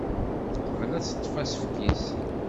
Teqbel ad teṭṭef asefk-is.